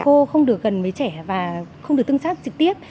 cô không được gần với trẻ và không được tương tác trực tiếp